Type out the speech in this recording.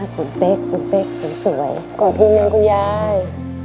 คุณเป๊กคุณเป๊กคุณสวยกอดทีหนึ่งคุณยาย